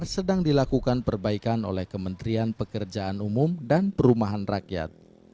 sedang dilakukan perbaikan oleh kementerian pekerjaan umum dan perumahan rakyat